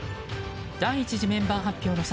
第１次メンバー発表の際